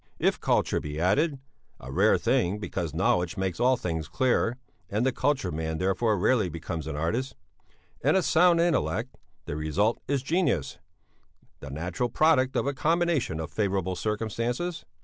If culture be added a rare thing because knowledge makes all things clear, and the cultured man therefore rarely becomes an artist and a sound intellect, the result is genius, the natural product of a combination of favourable circumstances.